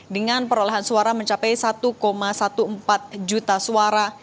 dengan perolehan suara mencapai satu empat belas juta suara